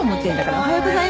おはようございます。